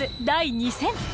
第２戦。